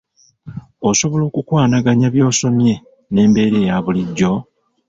Osobola okukwanaganya by'osomye n'embeera eya bullijjo?